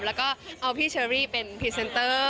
แล้วก็เอาพี่เชอรี่เป็นพรีเซนเตอร์